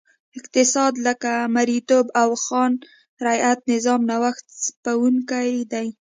اقتصاد لکه مریتوب او خان رعیت نظام نوښت ځپونکی دی.